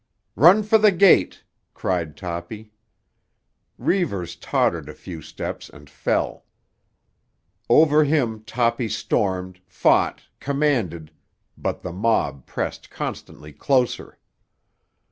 "Run for the gate!" cried Toppy. Reivers tottered a few steps and fell. Over him Toppy stormed, fought, commanded, but the mob pressed constantly closer.